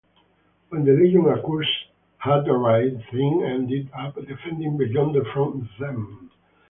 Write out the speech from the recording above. When the Legion Accursed had arrived, Thing ended up defending Beyonder from them.